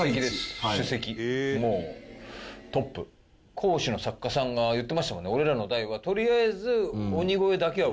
講師の作家さんが言ってましたもんね。